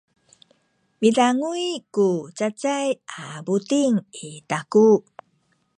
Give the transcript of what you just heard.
midanguy ku cacay a buting i taku.